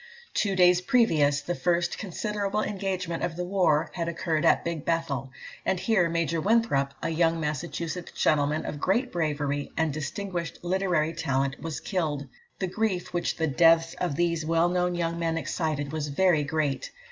Two days previous, the first considerable engagement of the war had occurred at Big Bethel, and here Major Winthrop, a young Massachusetts gentleman of great bravery and distinguished literary talent, was killed. The grief which the deaths of these well known young men excited was very great.